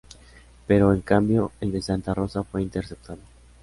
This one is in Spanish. Pero, en cambio, el de Santa Rosa fue interceptado.